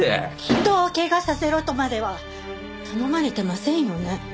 人を怪我させろとまでは頼まれてませんよね？